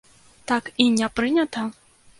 Так і не прынята?